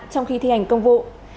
trong khi thi hành công vụ